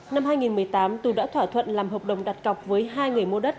năm hai nghìn một mươi tám tú đã thỏa thuận làm hợp đồng đặt cọc với hai người mua đất